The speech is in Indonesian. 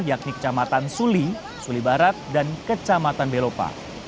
yakni kecamatan suli suli barat dan kecamatan belopa